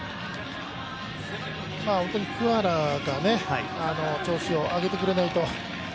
本当に桑原が、調子を上げてくれないと。